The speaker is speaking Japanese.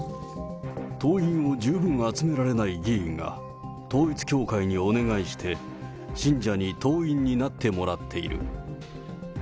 党員を十分集められない議員が、統一教会にお願いして、信者に党員になってもらっている。